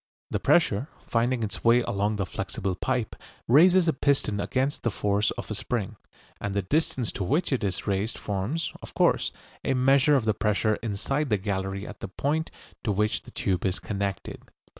The pressure, finding its way along the flexible pipe, raises a piston against the force of a spring, and the distance to which it is raised forms, of course, a measure of the pressure inside the gallery at the point to which the tube is connected.